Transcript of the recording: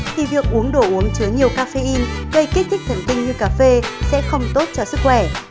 thì việc uống đồ uống chứa nhiều cafein gây kích thích thần kinh như cà phê sẽ không tốt cho sức khỏe